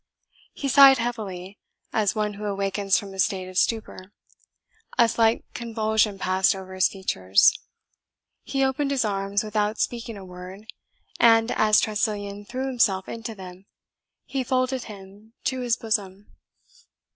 He sighed heavily, as one who awakens from a state of stupor; a slight convulsion passed over his features; he opened his arms without speaking a word, and, as Tressilian threw himself into them, he folded him to his bosom.